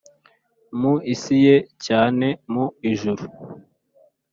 mu isi ye cyane mu ijuru